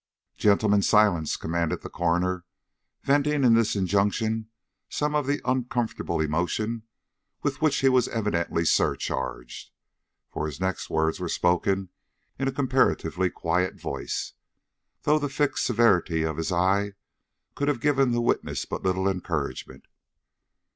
"Gentlemen, silence!" commanded the coroner, venting in this injunction some of the uncomfortable emotion with which he was evidently surcharged; for his next words were spoken in a comparatively quiet voice, though the fixed severity of his eye could have given the witness but little encouragement.